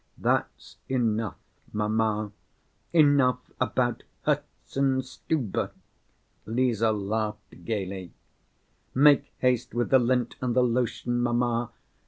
"That's enough, mamma, enough about Herzenstube," Lise laughed gayly. "Make haste with the lint and the lotion, mamma.